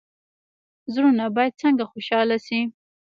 زړونه باید څنګه خوشحاله شي؟